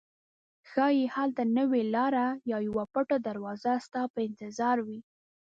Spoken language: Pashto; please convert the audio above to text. ښایي هلته نوې لاره یا یوه پټه دروازه ستا په انتظار وي.